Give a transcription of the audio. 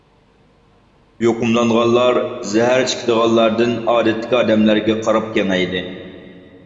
يۇقۇملانغانلار زەھەر چېكىدىغانلاردىن ئادەتتىكى ئادەملەرگە قاراپ كېڭەيدى.